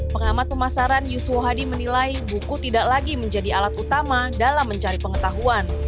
pengamat pemasaran yuswo hadi menilai buku tidak lagi menjadi alat utama dalam mencari pengetahuan